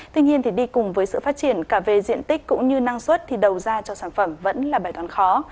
tuy nhiên đi cùng với sự phát triển cả về diện tích cũng như năng suất thì đầu ra cho sản phẩm vẫn là bài toán khó